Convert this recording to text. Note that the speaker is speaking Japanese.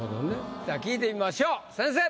聞いてみましょう先生。